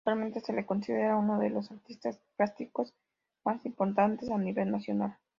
Actualmente, se lo considera uno de los artistas plásticos más importantes a nivel nacional.